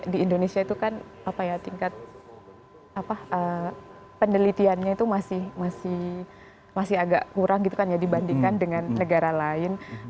di indonesia itu kan tingkat penelitiannya itu masih agak kurang dibandingkan dengan negara lain